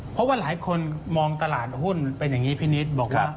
เพราะว่าหลายคนมองตลาดหุ้นเป็นอย่างนี้พี่นิดบอกว่า